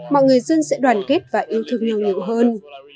mọi người dân sẽ đoàn kết và yêu thương nhau nhiều hơn